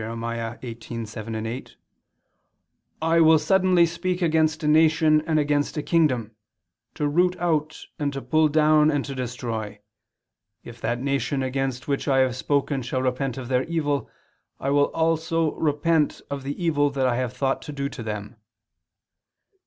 18:7, 8): "I will suddenly speak against a nation and against a kingdom, to root out and to pull down and to destroy it. If that nation against which I have spoken shall repent of their evil, I also will repent of the evil that I have thought to do them."